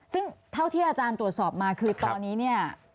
ซึ่งเท่าที่อาจารย์ตรวจสอบมาคือตอนนี้เนี่ย